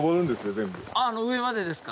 全部あの上までですか？